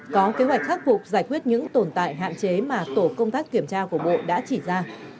có kế hoạch khắc phục giải quyết những tồn tại hạn chế mà tổ công tác kiểm tra của bộ đã chỉ ra